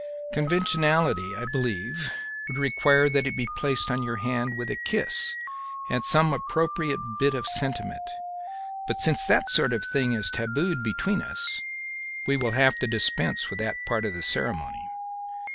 "Conventionality, I believe, would require that it be placed on your hand with a kiss and some appropriate bit of sentiment, but since that sort of thing is tabooed between us, we will have to dispense with that part of the ceremony."